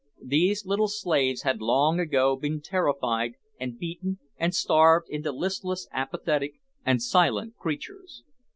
These little slaves had long ago been terrified, and beaten, and starved into listless, apathetic and silent creatures.